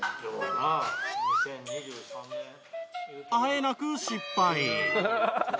あえなく失敗。